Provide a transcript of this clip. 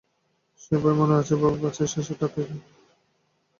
সে ভয় মনে আছে বাবা, পাছে শেষ পর্যন্ত ঠাট্টাই হয়ে ওঠে।